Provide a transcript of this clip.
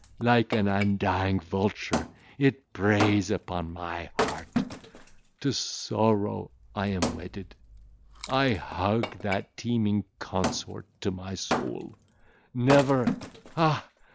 Like an undying vulture it preys upon my heart;—to sorrow I am wedded; I hug that teeming consort to my soul;—never, ah!